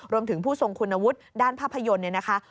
ผู้ทรงคุณวุฒิด้านภาพยนตร์เนี่ยนะคะ